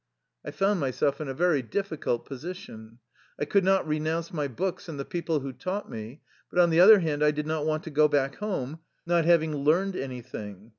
'' I found myself in a very difficult position. I could not renounce my books and the people who taught me, but, on the other hand, I did not want to go back home, not having learned any thing.